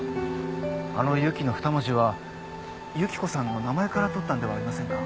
あのユキの２文字は由紀子さんの名前から取ったんではありませんか？